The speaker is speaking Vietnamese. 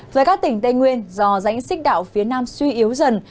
rồi các tỉnh tây nguyên do rãnh sích đảo phía nam suy yếu dần